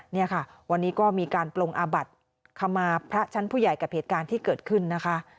นี่ค่ะวันนี้ก็มีการปลงอาบัติขมาพระชั้นผู้ใหญ่กับเหตุการณ์ที่เกิดขึ้นนะคะ